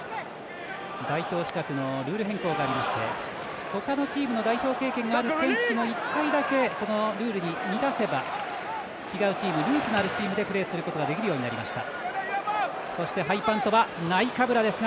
代表資格のルール変更がありまして他のチームの代表経験もある選手も１回だけルールを満たせば違うチーム、ルーツのあるチームでプレーすることができるようになりました。